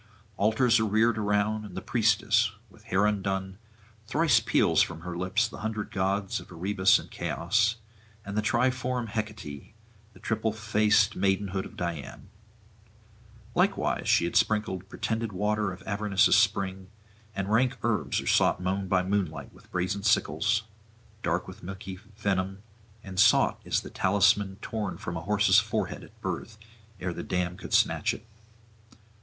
Altars are reared around, and the priestess, with hair undone, thrice peals from her lips the hundred gods of Erebus and Chaos, and the triform Hecate, the triple faced maidenhood of Diana. Likewise she had sprinkled pretended waters of Avernus' spring, and rank herbs are sought mown by moonlight with brazen sickles, dark with milky venom, and sought is the talisman torn from a horse's forehead at birth ere the dam could snatch it.